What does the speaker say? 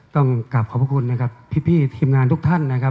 ต้องกลับขอบคุณพี่ทีมงานทุกท่าน